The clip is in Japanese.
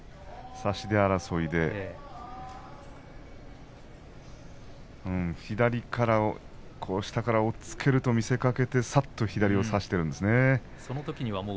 差し手争いで左から、下から押っつけると見せかけてさっと左を差しましたね。